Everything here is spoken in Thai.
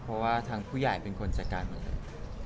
เพราะว่าทางผู้ใหญ่เป็นคนจัดการหมดเลย